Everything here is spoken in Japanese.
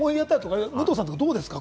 武藤さん、どうですか？